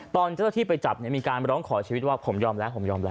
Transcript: ตอนเจ้าต้าที่ไปจับมีการร้องขอชีวิตว่าผมยอมแล้ว